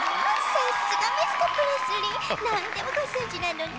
さすがミスタープレスリーなんでもごぞんじなのね。